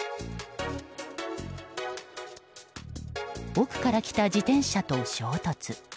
奥から来た自転車と衝突。